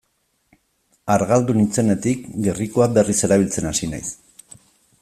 Argaldu nintzenetik gerrikoa berriz erabiltzen hasi naiz.